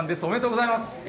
おめでとうございます。